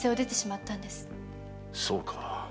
そうか。